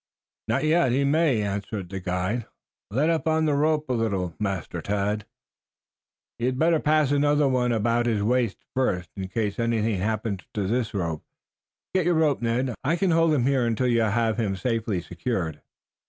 "Not yet. He may," answered the guide. "Let up on the rope a little, Master Tad." "You had better pass another one about his waist first, in case anything happens to this rope. Get your rope, Ned. I can hold him here until you have him safely secured."